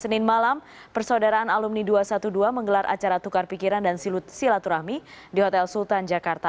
senin malam persaudaraan alumni dua ratus dua belas menggelar acara tukar pikiran dan silut silaturahmi di hotel sultan jakarta